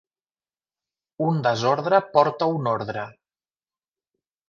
Un desordre porta un ordre.